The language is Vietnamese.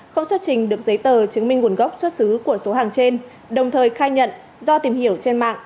không xuất trình được giấy tờ chứng minh nguồn gốc xuất xứ của số hàng trên đồng thời khai nhận do tìm hiểu trên mạng